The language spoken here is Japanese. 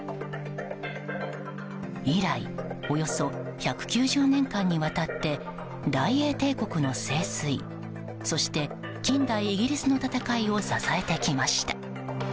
以来およそ１９０年間にわたって大英帝国の盛衰そして近代イギリスの戦いを支えてきました。